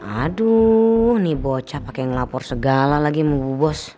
aduh nih bocah pakai ngelapor segala lagi mau bubos